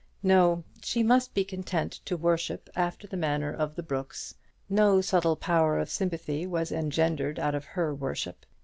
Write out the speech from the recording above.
No, she must be content to worship after the manner of the brooks. No subtle power of sympathy was engendered out of her worship.